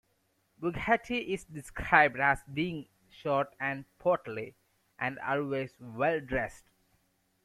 Bugatti is described as being short and portly, and always well dressed.